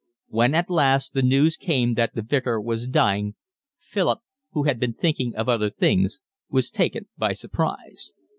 When at last the news came that the Vicar was dying Philip, who had been thinking of other things, was taken by surprise.